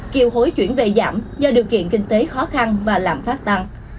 kiều hối chuyển về giảm do điều kiện kinh tế khó khăn và lạm phát tăng